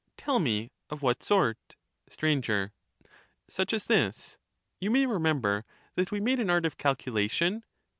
Tell me of what sort. Sir. Such as this : You may remember that we made an art of calculation